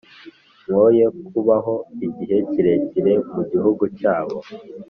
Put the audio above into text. mwoye kubaho igihe kirekire mu gihugu cyabo